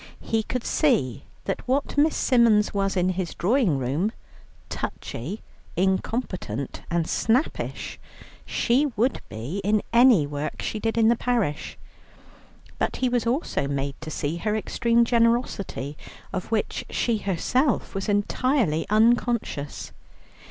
He could see that what Miss Symons was in his drawing room, touchy, incompetent, and snappish she would be in any work she did in the parish. But he was also made to see her extreme generosity, of which she herself was entirely unconscious.